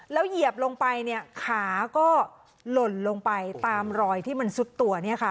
แล้วเหยียบลงไปเนี่ยขาก็หล่นลงไปตามรอยที่มันซุดตัวเนี่ยค่ะ